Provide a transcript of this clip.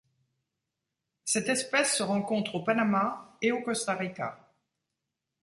Cette espèce se rencontre au Panamá et au Costa Rica.